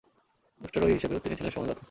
উষ্ট্রারোহী হিসেবেও তিনি ছিলেন সমান দক্ষ।